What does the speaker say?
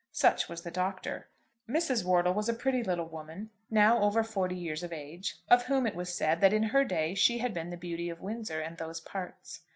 Such was the Doctor. Mrs. Wortle was a pretty little woman, now over forty years of age, of whom it was said that in her day she had been the beauty of Windsor and those parts.